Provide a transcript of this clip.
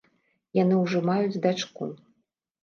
Яны ўжо маюць дачку.